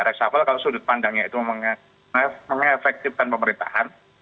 reshuffle kalau sudut pandangnya itu mengefektifkan pemerintahan